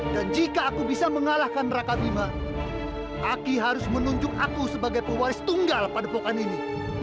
dan jika aku bisa mengalahkan rakabima aki harus menunjuk aku sebagai pewaris tunggal pada papan ini